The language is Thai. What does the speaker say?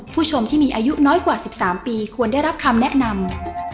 ผู้ชมที่มีอายุน้อยกว่า๑๓ปีควรได้รับคำแนะนำ